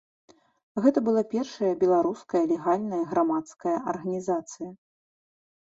Гэта была першая беларуская легальная грамадская арганізацыя.